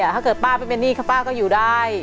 ถ้าเกิดป้าไปเป็นหนี้ป้าก็อยู่ได้